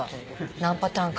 何パターンか。